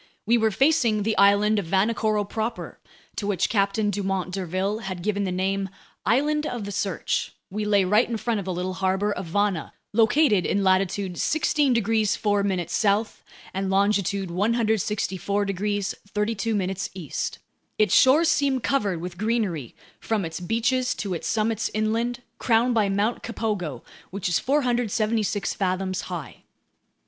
We were facing the island of Vanikoro proper, to which Captain Dumont d'Urville had given the name "Island of the Search"; we lay right in front of the little harbor of Vana, located in latitude 16 degrees 4' south and longitude 164 degrees 32' east. Its shores seemed covered with greenery from its beaches to its summits inland, crowned by Mt. Kapogo, which is 476 fathoms high.